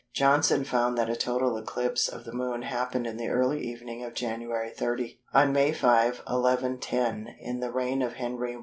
Johnson found that a total eclipse of the Moon happened in the early evening of Jan. 30. On May 5, 1110, in the reign of Henry I.